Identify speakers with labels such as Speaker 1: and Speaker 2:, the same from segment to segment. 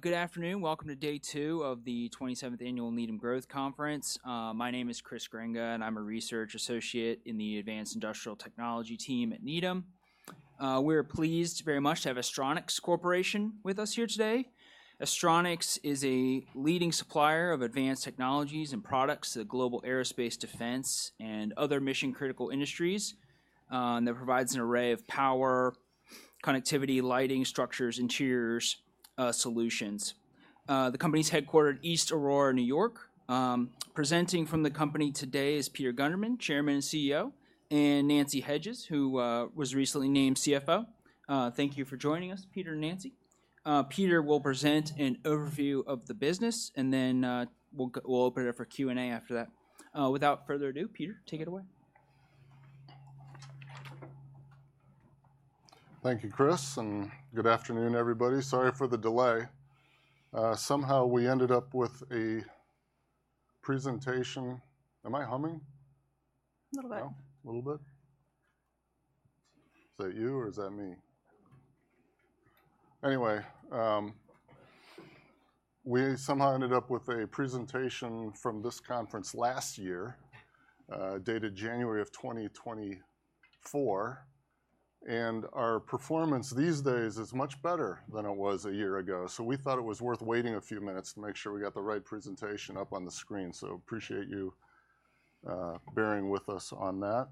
Speaker 1: Good afternoon. Welcome to day two of the 27th Annual Needham Growth Conference. My name is Chris Grenga, and I'm a Research Associate in the Advanced Industrial Technology team at Needham. We're pleased very much to have Astronics Corporation with us here today. Astronics is a leading supplier of advanced technologies and products to the global aerospace, defense, and other mission-critical industries. That provides an array of power, connectivity, lighting, structures, interior solutions. The company's headquartered in East Aurora, New York. Presenting from the company today is Peter Gundermann, Chairman and CEO, and Nancy Hedges, who was recently named CFO. Thank you for joining us, Peter and Nancy. Peter will present an overview of the business, and then we'll open it up for Q&A after that. Without further ado, Peter, take it away.
Speaker 2: Thank you, Chris, and good afternoon, everybody. Sorry for the delay. Somehow we ended up with a presentation. Am I humming?
Speaker 3: A little bit.
Speaker 2: A little bit. Is that you or is that me? Anyway, we somehow ended up with a presentation from this conference last year, dated January of 2024. And our performance these days is much better than it was a year ago. So we thought it was worth waiting a few minutes to make sure we got the right presentation up on the screen. So appreciate you bearing with us on that.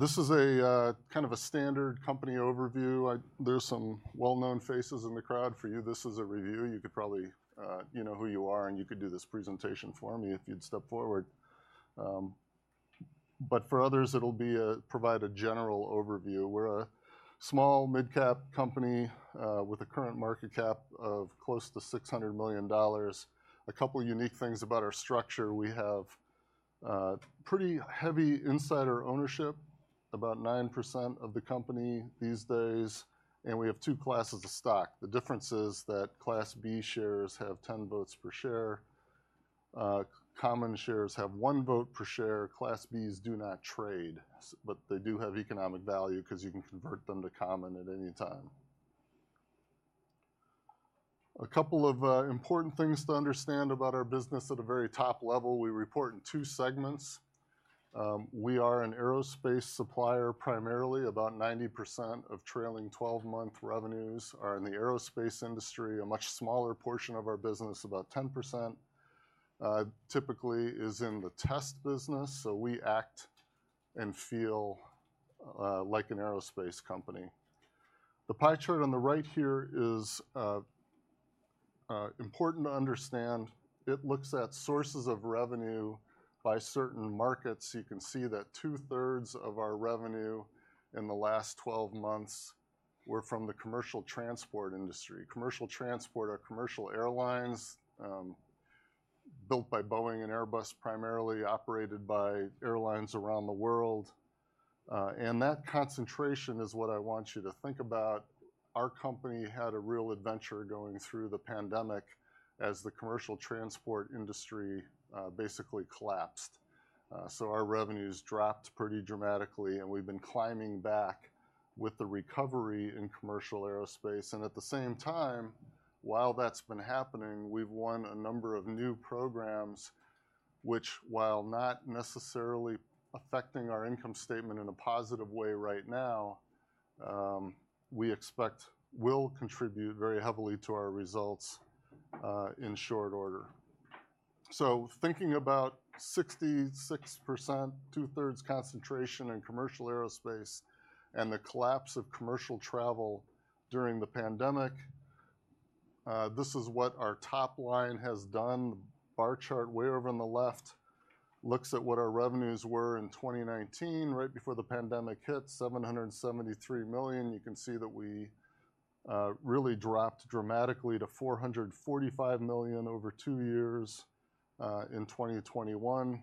Speaker 2: This is a kind of a standard company overview. There's some well-known faces in the crowd. For you, this is a review. You could probably know who you are, and you could do this presentation for me if you'd step forward. But for others, it'll provide a general overview. We're a small mid-cap company with a current market cap of close to $600 million. A couple of unique things about our structure: we have pretty heavy insider ownership, about 9% of the company these days, and we have two classes of stock. The difference is that Class B shares have 10 votes per share. Common shares have one vote per share. Class Bs do not trade, but they do have economic value because you can convert them to common at any time. A couple of important things to understand about our business at a very top level: we report in two segments. We are an aerospace supplier primarily. About 90% of trailing 12-month revenues are in the aerospace industry. A much smaller portion of our business, about 10%, typically is in the test business. So we act and feel like an aerospace company. The pie chart on the right here is important to understand. It looks at sources of revenue by certain markets. You can see that 2/3 of our revenue in the last 12 months were from the commercial transport industry. Commercial transport are commercial airlines built by Boeing and Airbus, primarily operated by airlines around the world, and that concentration is what I want you to think about. Our company had a real adventure going through the pandemic as the commercial transport industry basically collapsed, so our revenues dropped pretty dramatically, and we've been climbing back with the recovery in commercial aerospace, and at the same time, while that's been happening, we've won a number of new programs, which, while not necessarily affecting our income statement in a positive way right now, we expect will contribute very heavily to our results in short order, so thinking about 66%, 2/3 concentration in commercial aerospace and the collapse of commercial travel during the pandemic, this is what our top line has done. The bar chart way over on the left looks at what our revenues were in 2019, right before the pandemic hit, $773 million. You can see that we really dropped dramatically to $445 million over two years in 2021.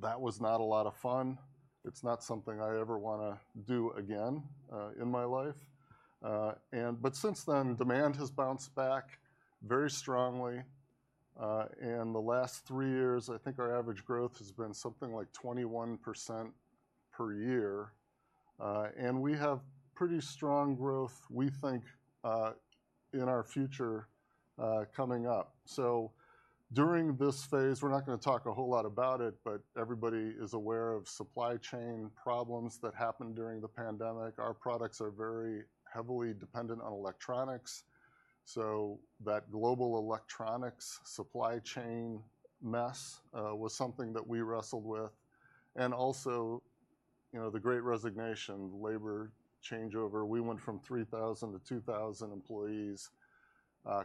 Speaker 2: That was not a lot of fun. It's not something I ever want to do again in my life, but since then, demand has bounced back very strongly, and the last three years, I think our average growth has been something like 21% per year, and we have pretty strong growth, we think, in our future coming up, so during this phase, we're not going to talk a whole lot about it, but everybody is aware of supply chain problems that happened during the pandemic. Our products are very heavily dependent on electronics, so that global electronics supply chain mess was something that we wrestled with. And also the great resignation, labor changeover. We went from 3,000 to 2,000 employees.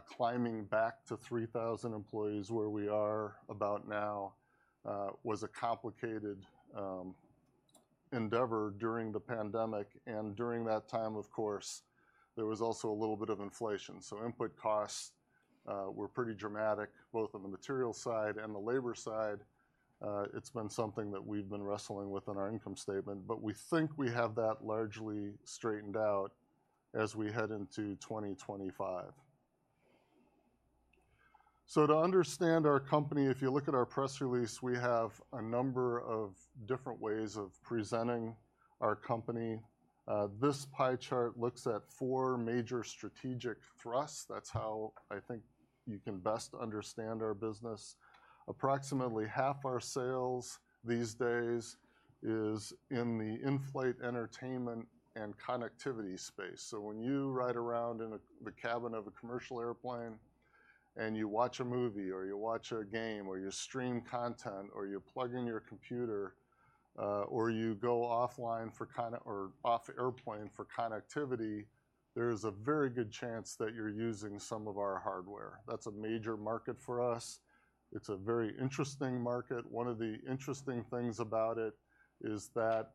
Speaker 2: Climbing back to 3,000 employees where we are about now was a complicated endeavor during the pandemic, and during that time, of course, there was also a little bit of inflation, so input costs were pretty dramatic, both on the material side and the labor side. It's been something that we've been wrestling with in our income statement, but we think we have that largely straightened out as we head into 2025, so to understand our company, if you look at our press release, we have a number of different ways of presenting our company. This pie chart looks at four major strategic thrusts. That's how I think you can best understand our business. Approximately half our sales these days is in the inflight entertainment and connectivity space. When you ride around in the cabin of a commercial airplane and you watch a movie or you watch a game or you stream content or you plug in your computer or you go online for airplane connectivity, there is a very good chance that you're using some of our hardware. That's a major market for us. It's a very interesting market. One of the interesting things about it is that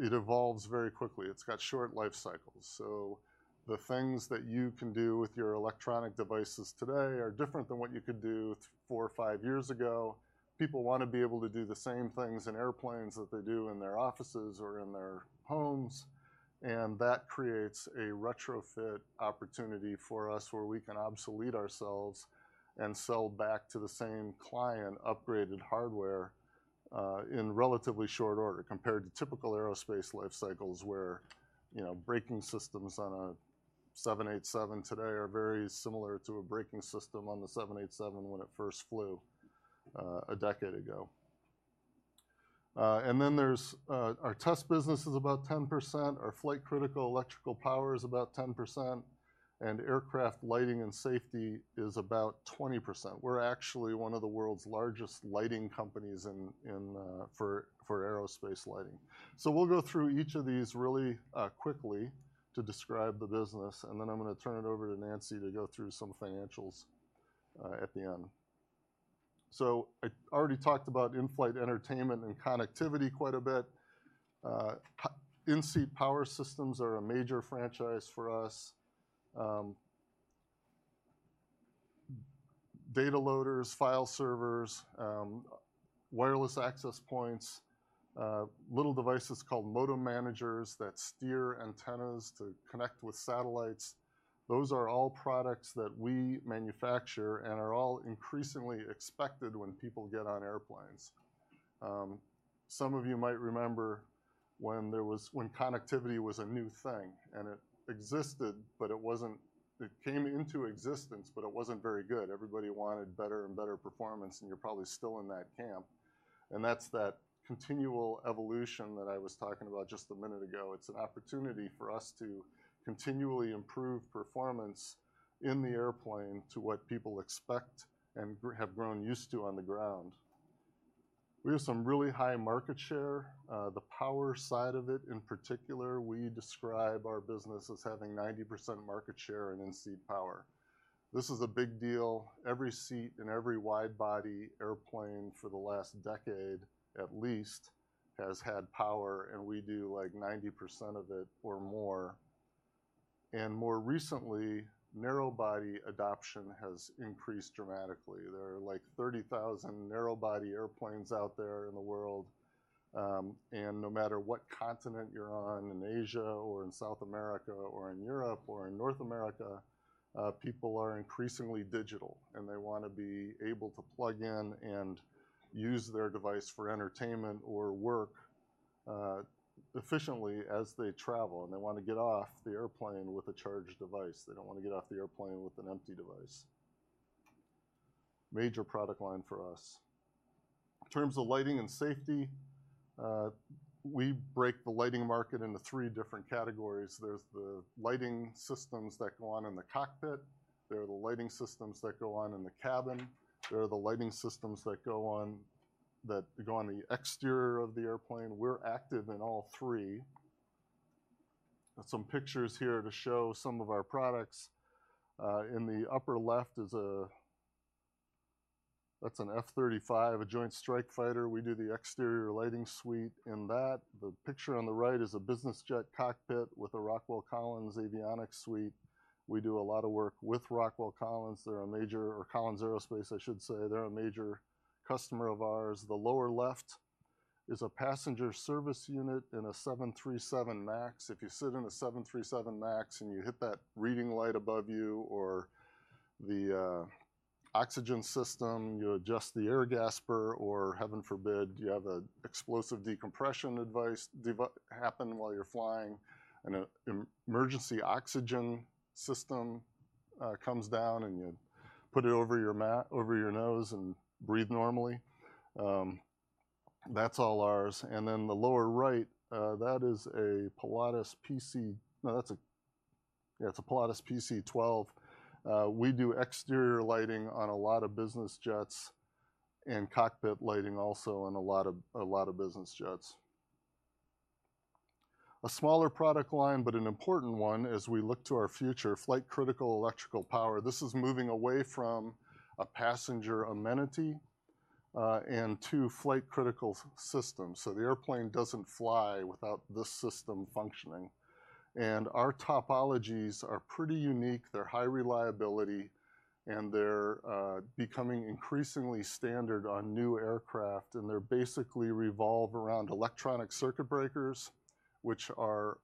Speaker 2: it evolves very quickly. It's got short life cycles. So the things that you can do with your electronic devices today are different than what you could do four or five years ago. People want to be able to do the same things in airplanes that they do in their offices or in their homes. That creates a retrofit opportunity for us where we can obsolete ourselves and sell back to the same client upgraded hardware in relatively short order compared to typical aerospace life cycles where braking systems on a 787 today are very similar to a braking system on the 787 when it first flew a decade ago. Our test business is about 10%. Our flight-critical electrical power is about 10%. Aircraft lighting and safety is about 20%. We're actually one of the world's largest lighting companies for aerospace lighting. We'll go through each of these really quickly to describe the business. I'm going to turn it over to Nancy to go through some financials at the end. I already talked about inflight entertainment and connectivity quite a bit. In-seat power systems are a major franchise for us. Data loaders, file servers, Wireless Access Points, little devices called Modem Managers that steer antennas to connect with satellites. Those are all products that we manufacture and are all increasingly expected when people get on airplanes. Some of you might remember when connectivity was a new thing, and it existed, but it came into existence, but it wasn't very good. Everybody wanted better and better performance, and you're probably still in that camp, and that's that continual evolution that I was talking about just a minute ago. It's an opportunity for us to continually improve performance in the airplane to what people expect and have grown used to on the ground. We have some really high market share. The power side of it, in particular, we describe our business as having 90% market share in in-seat power. This is a big deal. Every seat in every widebody airplane for the last decade, at least, has had power, and we do like 90% of it or more, and more recently, narrowbody adoption has increased dramatically. There are like 30,000 narrowbody airplanes out there in the world, and no matter what continent you're on, in Asia or in South America or in Europe or in North America, people are increasingly digital, and they want to be able to plug in and use their device for entertainment or work efficiently as they travel, and they want to get off the airplane with a charged device. They don't want to get off the airplane with an empty device. Major product line for us. In terms of lighting and safety, we break the lighting market into three different categories. There's the lighting systems that go on in the cockpit. There are the lighting systems that go on in the cabin. There are the lighting systems that go on the exterior of the airplane. We're active in all three. Some pictures here to show some of our products. In the upper left is, that's an F-35 Joint Strike Fighter. We do the exterior lighting suite in that. The picture on the right is a business jet cockpit with a Rockwell Collins Avionics Suite. We do a lot of work with Rockwell Collins. They're a major, or Collins Aerospace, I should say. They're a major customer of ours. The lower left is a passenger service unit in a 737 MAX. If you sit in a 737 MAX and you hit that reading light above you or the oxygen system, you adjust the air gasper, or heaven forbid, you have an explosive decompression device happen while you're flying, an emergency oxygen system comes down and you put it over your nose and breathe normally. That's all ours. And then the lower right, that is a Pilatus PC-12. Yeah, it's a Pilatus PC-12. We do exterior lighting on a lot of business jets and cockpit lighting also on a lot of business jets. A smaller product line, but an important one as we look to our future, flight-critical electrical power. This is moving away from a passenger amenity and to flight-critical systems. So the airplane doesn't fly without this system functioning. And our topologies are pretty unique. They're high reliability, and they're becoming increasingly standard on new aircraft. They're basically revolves around electronic circuit breakers, which are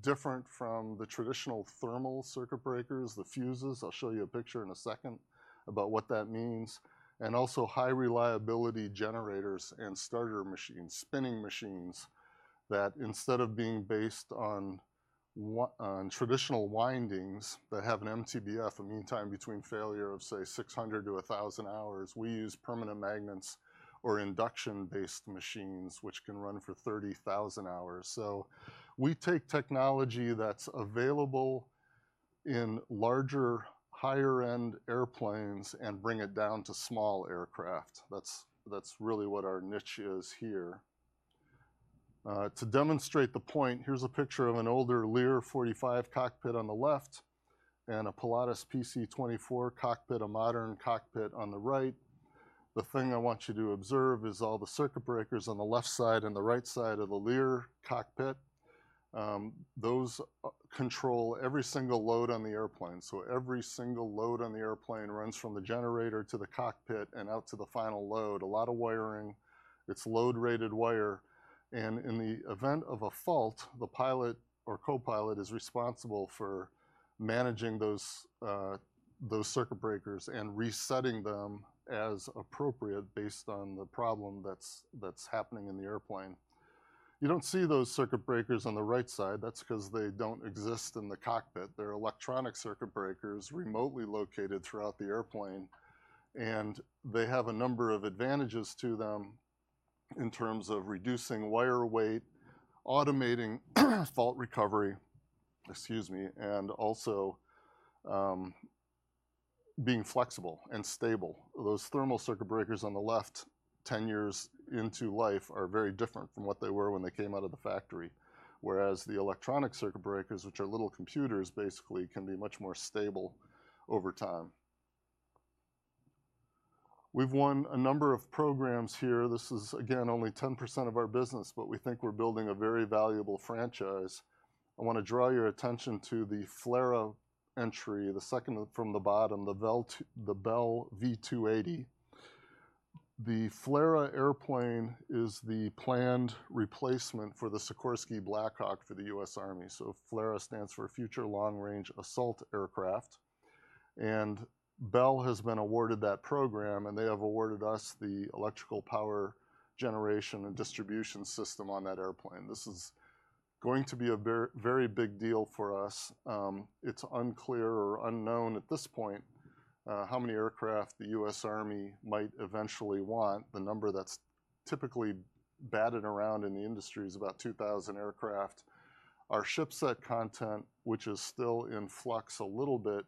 Speaker 2: different from the traditional thermal circuit breakers, the fuses. I'll show you a picture in a second about what that means. Also high reliability generators and starter machines, spinning machines that instead of being based on traditional windings that have an MTBF, a mean time between failure of, say, 600-1,000 hours, we use permanent magnets or induction-based machines, which can run for 30,000 hours. We take technology that's available in larger, higher-end airplanes and bring it down to small aircraft. That's really what our niche is here. To demonstrate the point, here's a picture of an older Lear 45 cockpit on the left and a Pilatus PC-24 cockpit, a modern cockpit on the right. The thing I want you to observe is all the circuit breakers on the left side and the right side of the Lear cockpit. Those control every single load on the airplane. So every single load on the airplane runs from the generator to the cockpit and out to the final load. A lot of wiring. It's load-rated wire. And in the event of a fault, the pilot or co-pilot is responsible for managing those circuit breakers and resetting them as appropriate based on the problem that's happening in the airplane. You don't see those circuit breakers on the right side. That's because they don't exist in the cockpit. They're electronic circuit breakers remotely located throughout the airplane. And they have a number of advantages to them in terms of reducing wire weight, automating fault recovery, excuse me, and also being flexible and stable. Those thermal circuit breakers on the left, 10 years into life, are very different from what they were when they came out of the factory, whereas the electronic circuit breakers, which are little computers, basically can be much more stable over time. We've won a number of programs here. This is, again, only 10% of our business, but we think we're building a very valuable franchise. I want to draw your attention to the FLRAA entry, the second from the bottom, the Bell V-280. The FLRAA airplane is the planned replacement for the Sikorsky Black Hawk for the U.S. Army. So FLRAA stands for Future Long-Range Assault Aircraft. And Bell has been awarded that program, and they have awarded us the electrical power generation and distribution system on that airplane. This is going to be a very big deal for us. It's unclear or unknown at this point how many aircraft the U.S. Army might eventually want. The number that's typically batted around in the industry is about 2,000 aircraft. Our ship set content, which is still in flux a little bit,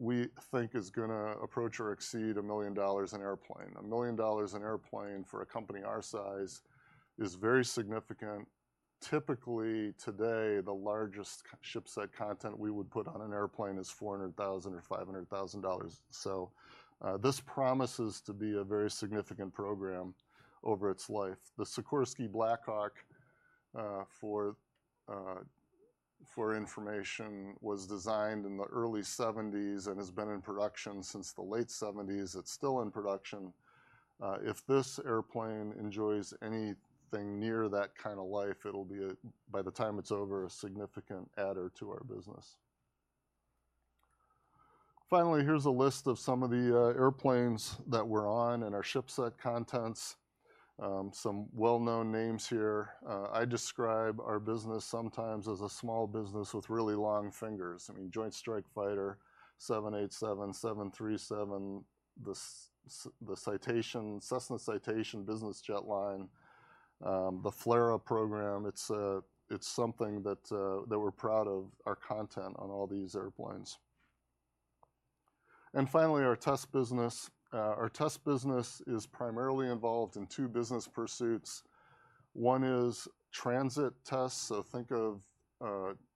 Speaker 2: we think is going to approach or exceed $1 million an airplane. $1 million an airplane for a company our size is very significant. Typically, today, the largest ship set content we would put on an airplane is $400,000 or $500,000. So this promises to be a very significant program over its life. The Sikorsky Black Hawk, for information, was designed in the early 1970s and has been in production since the late 1970s. It's still in production. If this airplane enjoys anything near that kind of life, it'll be, by the time it's over, a significant add-on to our business. Finally, here's a list of some of the airplanes that we're on and our shipset contents. Some well-known names here. I describe our business sometimes as a small business with really long fingers. I mean, Joint Strike Fighter, 787, 737, the Cessna Citation business jet line, the FLRAA program. It's something that we're proud of, our content on all these airplanes. And finally, our test business. Our test business is primarily involved in two business pursuits. One is transit tests. So think of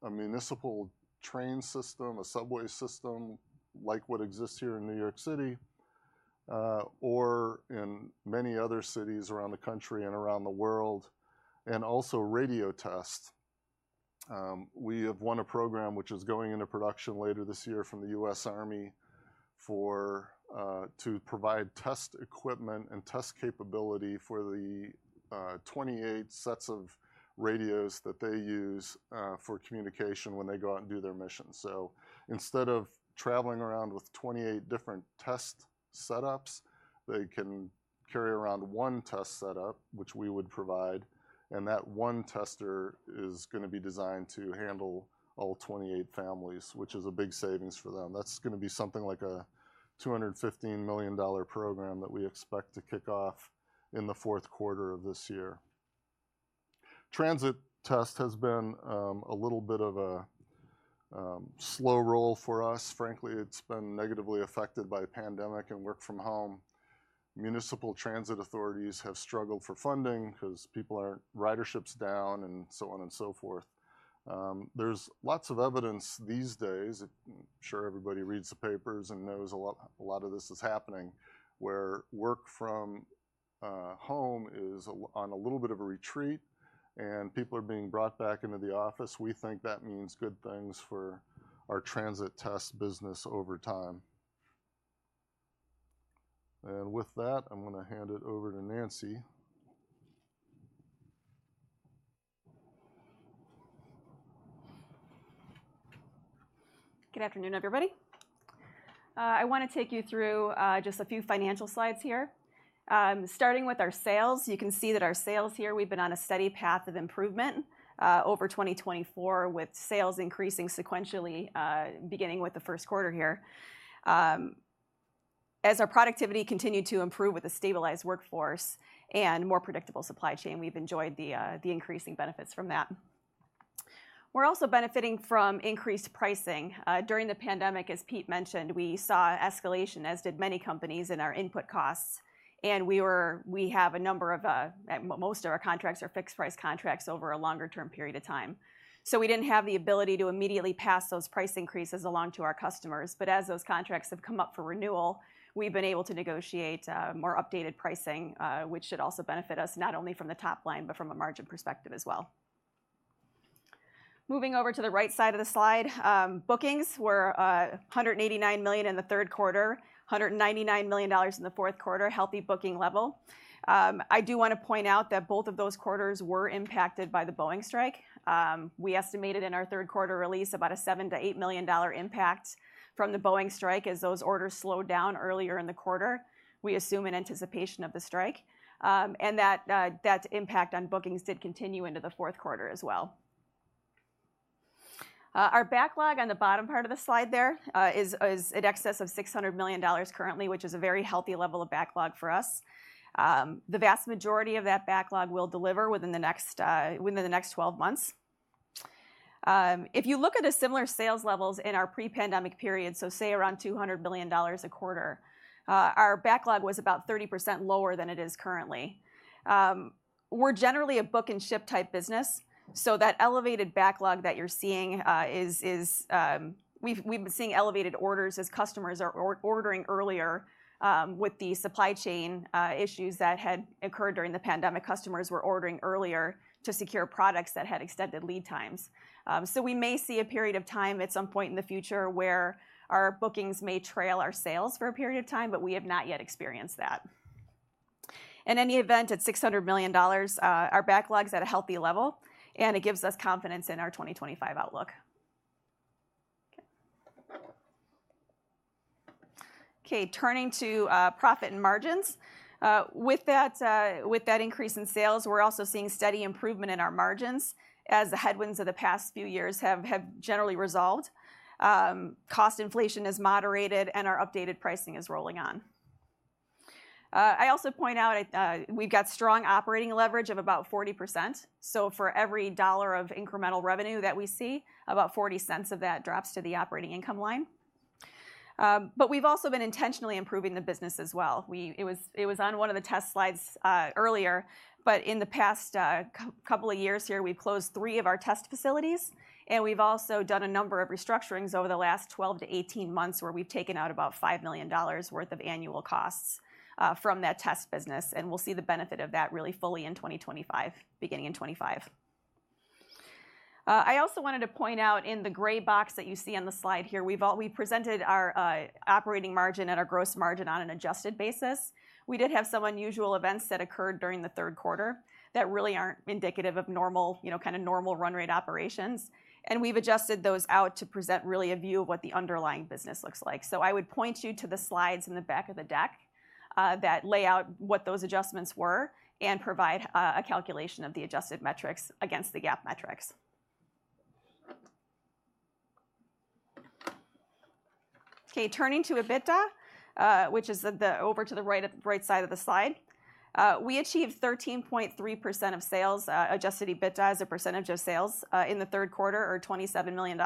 Speaker 2: a municipal train system, a subway system like what exists here in New York City or in many other cities around the country and around the world, and also radio tests. We have won a program which is going into production later this year from the U.S. Army to provide test equipment and test capability for the 28 sets of radios that they use for communication when they go out and do their mission, so instead of traveling around with 28 different test setups, they can carry around one test setup, which we would provide, and that one tester is going to be designed to handle all 28 families, which is a big savings for them. That's going to be something like a $215 million program that we expect to kick off in the fourth quarter of this year. Transit test has been a little bit of a slow roll for us. Frankly, it's been negatively affected by pandemic and work from home. Municipal transit authorities have struggled for funding because people aren't, ridership's down and so on and so forth. There's lots of evidence these days. I'm sure everybody reads the papers and knows a lot of this is happening where work from home is on a little bit of a retreat, and people are being brought back into the office. We think that means good things for our transit test business over time. And with that, I'm going to hand it over to Nancy.
Speaker 3: Good afternoon, everybody. I want to take you through just a few financial slides here. Starting with our sales, you can see that our sales here, we've been on a steady path of improvement over 2024 with sales increasing sequentially, beginning with the first quarter here. As our productivity continued to improve with a stabilized workforce and more predictable supply chain, we've enjoyed the increasing benefits from that. We're also benefiting from increased pricing. During the pandemic, as Pete mentioned, we saw escalation, as did many companies, in our input costs. Most of our contracts are fixed-price contracts over a longer-term period of time. So we didn't have the ability to immediately pass those price increases along to our customers. But as those contracts have come up for renewal, we've been able to negotiate more updated pricing, which should also benefit us not only from the top line, but from a margin perspective as well. Moving over to the right side of the slide, bookings were $189 million in the third quarter, $199 million in the fourth quarter, healthy booking level. I do want to point out that both of those quarters were impacted by the Boeing strike. We estimated in our third quarter release about a $7 million-$8 million impact from the Boeing strike as those orders slowed down earlier in the quarter, we assume in anticipation of the strike, and that impact on bookings did continue into the fourth quarter as well. Our backlog on the bottom part of the slide there is in excess of $600 million currently, which is a very healthy level of backlog for us. The vast majority of that backlog will deliver within the next 12 months. If you look at the similar sales levels in our pre-pandemic period, so say around $200 million a quarter, our backlog was about 30% lower than it is currently. We're generally a book and ship type business. So that elevated backlog that you're seeing, we've been seeing elevated orders as customers are ordering earlier with the supply chain issues that had occurred during the pandemic. Customers were ordering earlier to secure products that had extended lead times. So we may see a period of time at some point in the future where our bookings may trail our sales for a period of time, but we have not yet experienced that. In any event, at $600 million, our backlog's at a healthy level, and it gives us confidence in our 2025 outlook. Okay. Turning to profit and margins. With that increase in sales, we're also seeing steady improvement in our margins as the headwinds of the past few years have generally resolved. Cost inflation is moderated, and our updated pricing is rolling on. I also point out we've got strong operating leverage of about 40%. For every $1 of incremental revenue that we see, about $0.40 of that drops to the operating income line. But we've also been intentionally improving the business as well. It was on one of the test slides earlier, but in the past couple of years here, we've closed three of our test facilities. And we've also done a number of restructurings over the last 12-18 months where we've taken out about $5 million worth of annual costs from that test business. And we'll see the benefit of that really fully in 2025, beginning in 2025. I also wanted to point out in the gray box that you see on the slide here, we presented our operating margin and our gross margin on an adjusted basis. We did have some unusual events that occurred during the third quarter that really aren't indicative of kind of normal run rate operations, and we've adjusted those out to present really a view of what the underlying business looks like, so I would point you to the slides in the back of the deck that lay out what those adjustments were and provide a calculation of the adjusted metrics against the GAAP metrics. Okay. Turning to EBITDA, which is over to the right side of the slide, we achieved 13.3% of sales, adjusted EBITDA as a percentage of sales in the third quarter or $27 million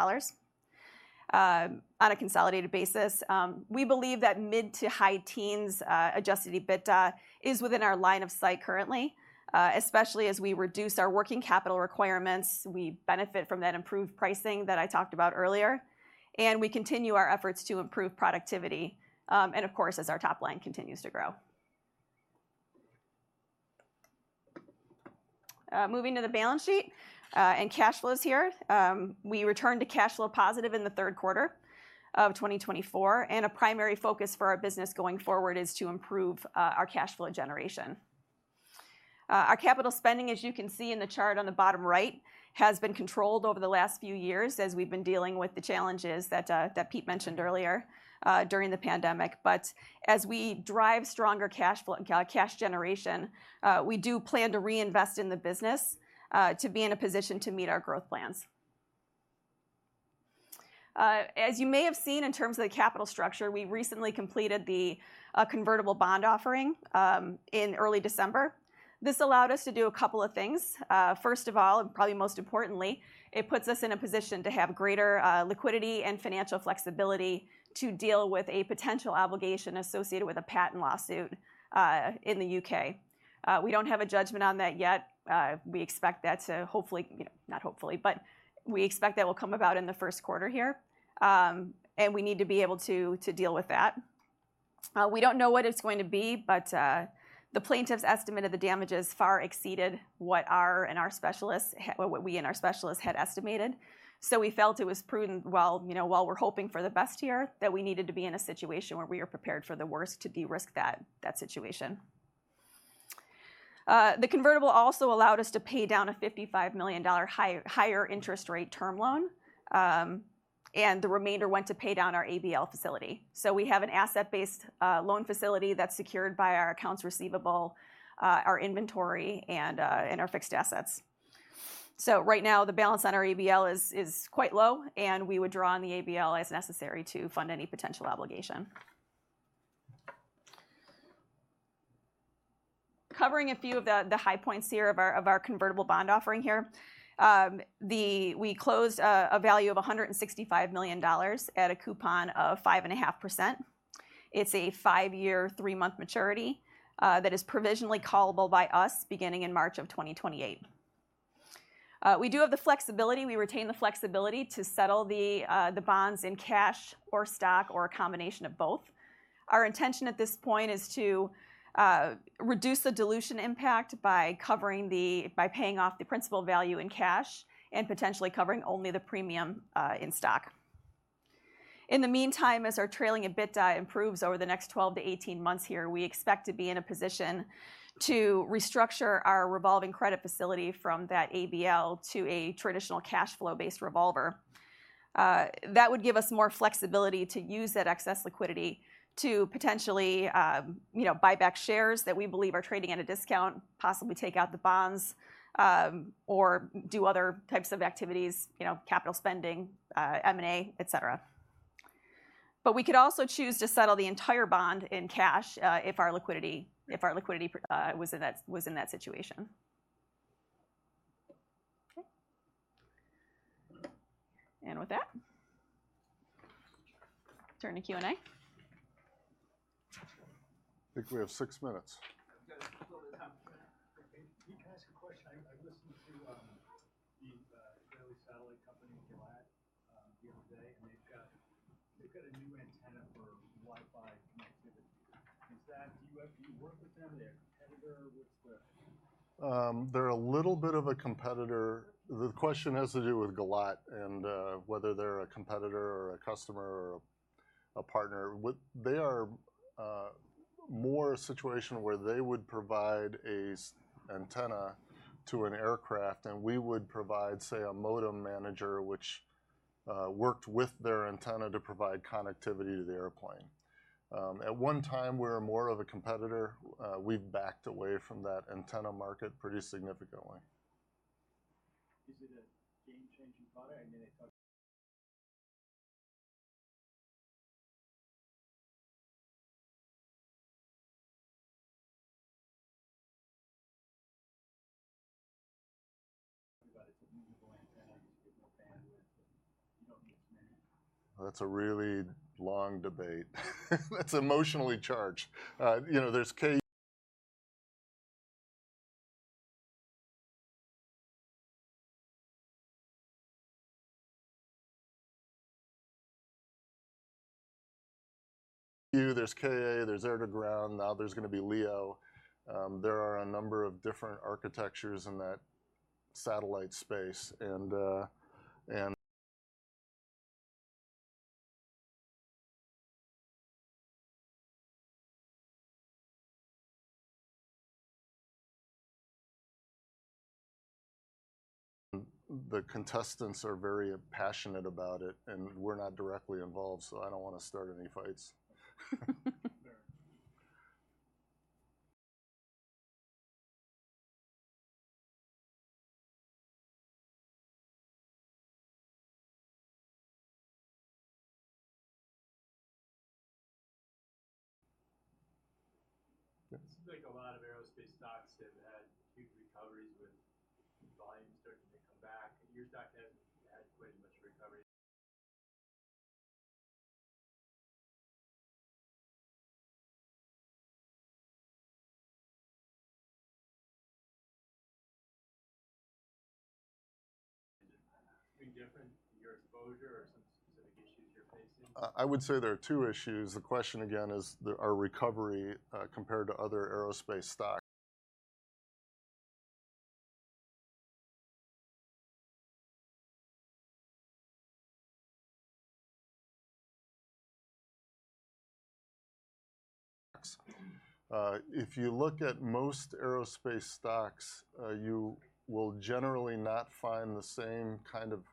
Speaker 3: on a consolidated basis. We believe that mid to high teens adjusted EBITDA is within our line of sight currently, especially as we reduce our working capital requirements. We benefit from that improved pricing that I talked about earlier. We continue our efforts to improve productivity and, of course, as our top line continues to grow. Moving to the balance sheet and cash flows here, we returned to cash flow positive in the third quarter of 2024. A primary focus for our business going forward is to improve our cash flow generation. Our capital spending, as you can see in the chart on the bottom right, has been controlled over the last few years as we've been dealing with the challenges that Pete mentioned earlier during the pandemic. As we drive stronger cash generation, we do plan to reinvest in the business to be in a position to meet our growth plans. As you may have seen in terms of the capital structure, we recently completed the convertible bond offering in early December. This allowed us to do a couple of things. First of all, and probably most importantly, it puts us in a position to have greater liquidity and financial flexibility to deal with a potential obligation associated with a patent lawsuit in the U.K. We don't have a judgment on that yet. We expect that to hopefully, not hopefully, but we expect that will come about in the first quarter here. And we need to be able to deal with that. We don't know what it's going to be, but the plaintiff's estimate of the damages far exceeded what our specialists, what we and our specialists had estimated. So we felt it was prudent while we're hoping for the best here that we needed to be in a situation where we are prepared for the worst to de-risk that situation. The convertible also allowed us to pay down a $55 million higher interest rate term loan. And the remainder went to pay down our ABL facility. So we have an asset-based loan facility that's secured by our accounts receivable, our inventory, and our fixed assets. So right now, the balance on our ABL is quite low, and we would draw on the ABL as necessary to fund any potential obligation. Covering a few of the high points here of our convertible bond offering here, we closed a value of $165 million at a coupon of 5.5%. It's a five-year, three-month maturity that is provisionally callable by us beginning in March of 2028. We do have the flexibility. We retain the flexibility to settle the bonds in cash or stock or a combination of both. Our intention at this point is to reduce the dilution impact by paying off the principal value in cash and potentially covering only the premium in stock. In the meantime, as our trailing EBITDA improves over the next 12-18 months here, we expect to be in a position to restructure our revolving credit facility from that ABL to a traditional cash flow-based revolver. That would give us more flexibility to use that excess liquidity to potentially buy back shares that we believe are trading at a discount, possibly take out the bonds, or do other types of activities, capital spending, M&A, etc. But we could also choose to settle the entire bond in cash if our liquidity was in that situation. Okay. And with that, turn to Q&A
Speaker 2: I think we have six minutes. Can I ask a question? I listened to the Israeli satellite company Gilat the other day, and they've got a new antenna for Wi-Fi connectivity. Do you work with them? Are they a competitor? They're a little bit of a competitor. The question has to do with Gilat and whether they're a competitor or a customer or a partner. They are more a situation where they would provide an antenna to an aircraft, and we would provide, say, a modem manager, which worked with their antenna to provide connectivity to the airplane. At one time, we were more of a competitor. We've backed away from that antenna market pretty significantly. Is it a game-changing product? I mean, it's a movable antenna. You get more bandwidth, but you don't need as many. Israeli satellite company Gilat That's a really long debate. That's emotionally charged. There's Ku. There's Ka, there's Air-to-Ground, now there's going to be LEO. There are a number of different architectures in that satellite space and the contestants are very passionate about it, and we're not directly involved, so I don't want to start any fights. It seems like a lot of aerospace stocks have had huge recoveries with volumes starting to come back. Your stock hasn't had quite as much recovery. Is it something different in your exposure or some specific issues you're facing? I would say there are two issues. The question again is our recovery compared to other aerospace stocks. If you look at most aerospace stocks, you will generally not find the same kind of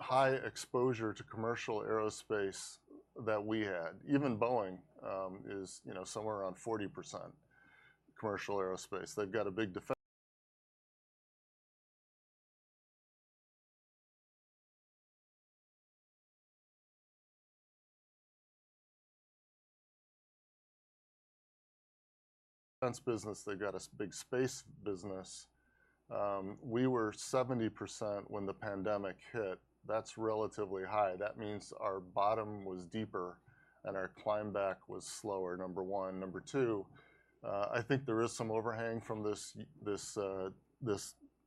Speaker 2: high exposure to commercial aerospace that we had. Even Boeing is somewhere around 40% commercial aerospace. They've got a big defense business. They've got a big space business. We were 70% when the pandemic hit. That's relatively high. That means our bottom was deeper and our climb back was slower, number one. Number two, I think there is some overhang from this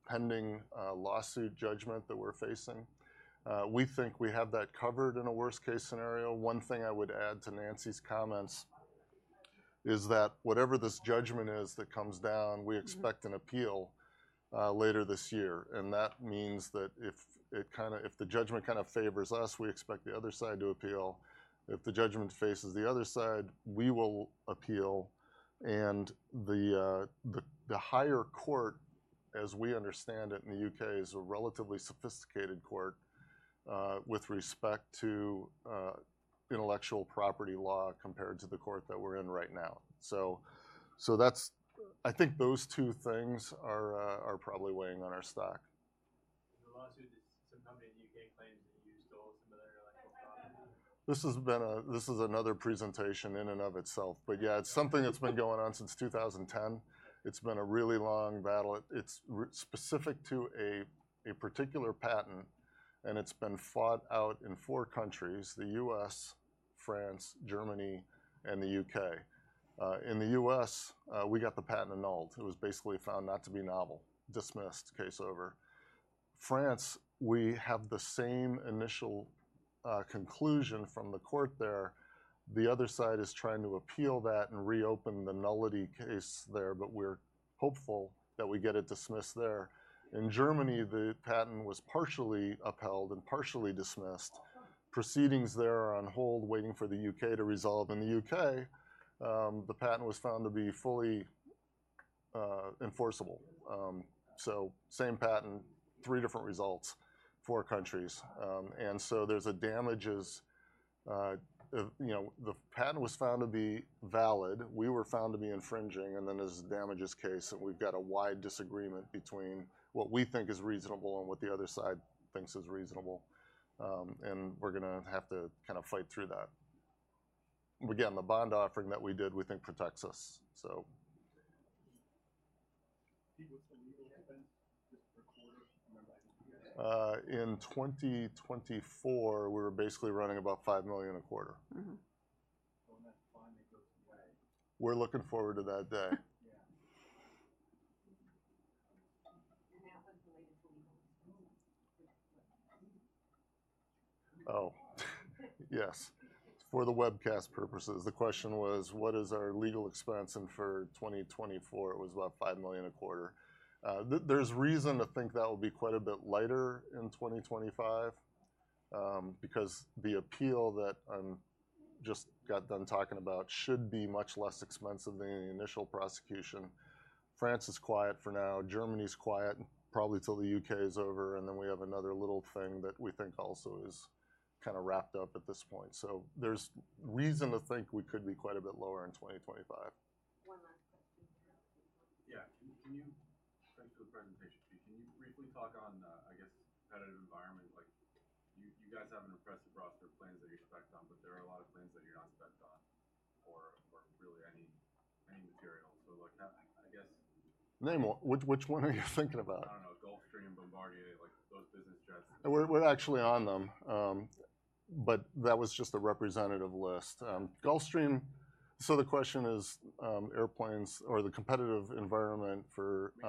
Speaker 2: pending lawsuit judgment that we're facing. We think we have that covered in a worst-case scenario. One thing I would add to Nancy's comments is that whatever this judgment is that comes down, we expect an appeal later this year. That means that if the judgment kind of favors us, we expect the other side to appeal. If the judgment favors the other side, we will appeal. The higher court, as we understand it in the U.K., is a relatively sophisticated court with respect to intellectual property law compared to the court that we're in right now. I think those two things are probably weighing on our stock. Is the lawsuit some company in the U.K. claims that you used all similar electronic products? This has been another presentation in and of itself. But yeah, it's something that's been going on since 2010. It's been a really long battle. It's specific to a particular patent, and it's been fought out in four countries: the U.S., France, Germany, and the U.K. In the U.S., we got the patent annulled. It was basically found not to be novel, dismissed, case over. France, we have the same initial conclusion from the court there. The other side is trying to appeal that and reopen the nullity case there, but we're hopeful that we get it dismissed there. In Germany, the patent was partially upheld and partially dismissed. Proceedings there are on hold, waiting for the U.K. to resolve. In the U.K., the patent was found to be fully enforceable. So same patent, three different results, four countries. And so there's a damages. The patent was found to be valid. We were found to be infringing. And then there's a damages case. And we've got a wide disagreement between what we think is reasonable and what the other side thinks is reasonable. And we're going to have to kind of fight through that. Again, the bond offering that we did, we think protects us, so. Pete, what's the legal expense just per quarter? In 2024, we were basically running about $5 million a quarter. So when that's fine, it goes away. We're looking forward to that day. Yeah. That was related to legal expenses? Oh, yes. For the webcast purposes, the question was, what is our legal expense for 2024? It was about $5 million a quarter. There's reason to think that will be quite a bit lighter in 2025 because the appeal that I just got done talking about should be much less expensive than the initial prosecution. France is quiet for now. Germany's quiet, probably till the U.K. is over. And then we have another little thing that we think also is kind of wrapped up at this point. So there's reason to think we could be quite a bit lower in 2025. One last question. Yeah. Can you go back to the presentation, Pete? Can you briefly talk on, I guess, competitive environment? You guys have an impressive roster of planes that you're on, but there are a lot of planes that you're not on or really any material. So I guess. Name, which one are you thinking about? I don't know. Gulfstream, Bombardier, those business jets. We're actually on them, but that was just a representative list. Gulfstream. So the question is airplanes or the competitive environment for.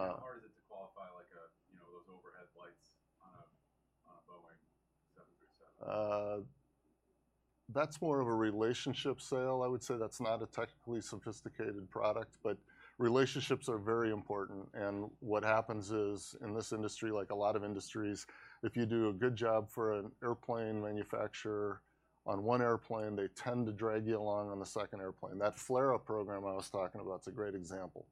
Speaker 2: I mean, how hard is it to qualify those overhead lights on a Boeing 737? That's more of a relationship sale. I would say that's not a technically sophisticated product, but relationships are very important, and what happens is, in this industry, like a lot of industries, if you do a good job for an airplane manufacturer, on one airplane, they tend to drag you along on the second airplane. That FLRAA program I was talking about is a great example.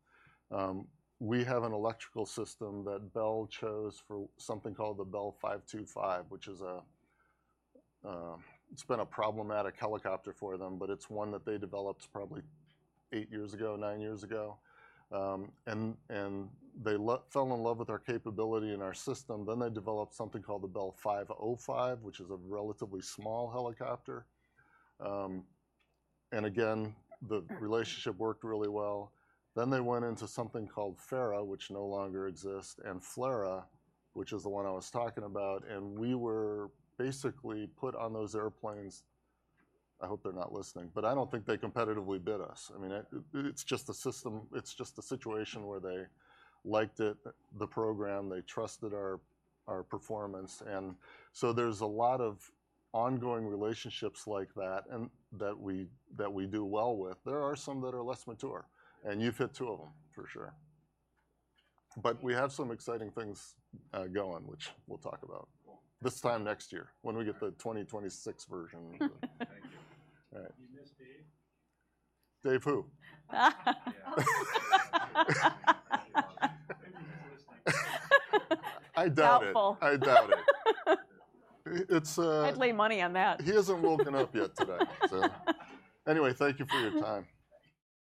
Speaker 2: We have an electrical system that Bell chose for something called the Bell 525, which is a, it's been a problematic helicopter for them, but it's one that they developed probably eight years ago, nine years ago, and they fell in love with our capability and our system, then they developed something called the Bell 505, which is a relatively small helicopter, and again, the relationship worked really well. Then they went into something called FARA, which no longer exists, and FLRAA, which is the one I was talking about. And we were basically put on those airplanes. I hope they're not listening, but I don't think they competitively bid us. I mean, it's just a system. It's just a situation where they liked the program, they trusted our performance. And so there's a lot of ongoing relationships like that that we do well with. There are some that are less mature, and you've hit two of them, for sure. But we have some exciting things going, which we'll talk about this time next year when we get the 2026 version. Thank you. Did you miss Dave? Dave who? I doubt it.
Speaker 3: Helpful.
Speaker 2: I doubt it.
Speaker 3: I'd lay money on that.
Speaker 2: He hasn't woken up yet today. Anyway, thank you for your time.